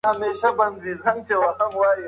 که تاسي د انار جوس وڅښئ نو تنده مو ژر ماتیږي.